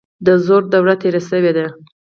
د زور دوره تیره شوې ده.